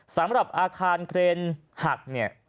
สำหรับอาคารเครนหัก